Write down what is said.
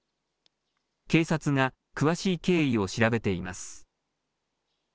警察が詳しい経緯を調べています。